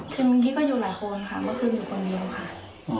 คืนนี้ก็อยู่หลายคนค่ะคืนนี้คนเดียวค่ะ